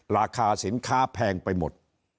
ราคาสินค้าแพงไปหมด